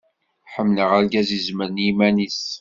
Ḥemmleɣ argaz izemren i yiman-is.